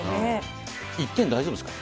１点、大丈夫ですか。